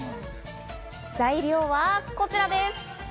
材料はこちらです。